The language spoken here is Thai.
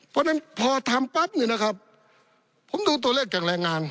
เพราะฉะนั้นพอทำปั๊บเนี่ยนะครับผมดูตัวเลขจากแรงงาน